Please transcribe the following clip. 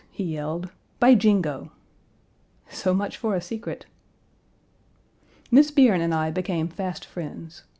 he yelled, "by Jingo!" So much for a secret. Miss Bierne and I became fast friends.